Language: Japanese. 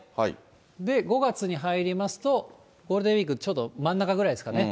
５月に入りますと、ゴールデンウィークちょうど真ん中ぐらいですかね。